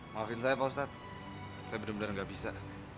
maafin saya pak ustadz saya benar benar nggak bisa